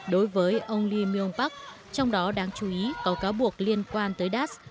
đối với ông lee myung pak trong đó đáng chú ý có cáo buộc liên quan tới das